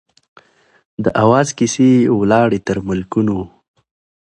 د آواز کیسې یې ولاړې تر ملکونو